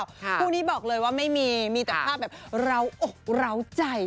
คู่นี้บอกเลยว่าไม่มีมีแต่ภาพแบบเราอกเหล้าใจ